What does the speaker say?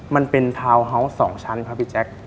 มันเป็นทาวน์เฮาส์๒ชั้นครับพี่แจ๊ค